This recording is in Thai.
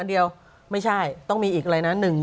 เดียวไม่ใช่ต้องมีอีกอะไรนะ